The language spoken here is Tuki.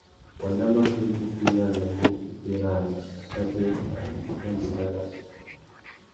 Wanda matê wu tu yānamú wu bérana a tà being ari i tà ndénda nà assôtô.